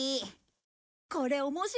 これ面白いね。